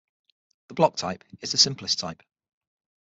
The block type is the simplest type.